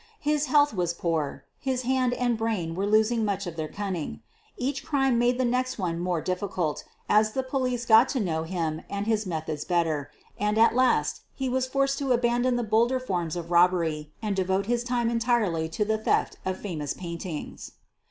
His health was poor — his hand and brain were los ing much of their cunning. Each crime made the next one more difficult, as the police got to know him and his methods better, and at last he was forced to abandon the bolder forms of robbery and devote his time entirely to the theft of famous paint ings.